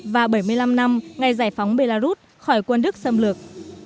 và bảy mươi năm năm ngày giải phóng belarus khỏi quân đức xâm lược